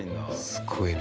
すごいね。